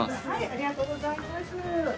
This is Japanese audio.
ありがとうございます。